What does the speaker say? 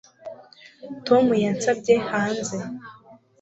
Tom yansabye hanze